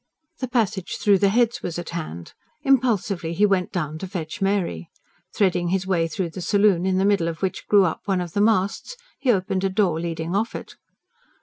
The passage through the Heads was at hand. Impulsively he went down to fetch Mary. Threading his way through the saloon, in the middle of which grew up one of the masts, he opened a door leading off it.